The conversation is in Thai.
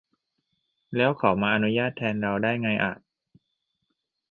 แล้วเขามาอนุญาตแทนเราได้ไงอะ